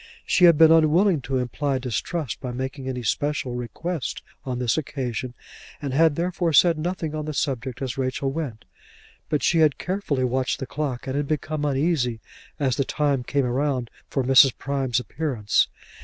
She had been unwilling to imply distrust by making any special request on this occasion, and had therefore said nothing on the subject as Rachel went; but she had carefully watched the clock, and had become uneasy as the time came round for Mrs. Prime's appearance.